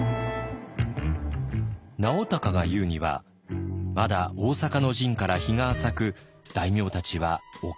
直孝が言うには「まだ大坂の陣から日が浅く大名たちはお金に窮している。